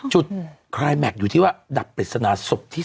จุดคลายแมคอยู่ที่ว่าดับปริศนาศพที่๓